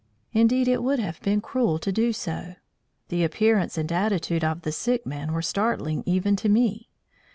Indeed it would have been cruel to do so. The appearance and attitude of the sick man were startling even to me.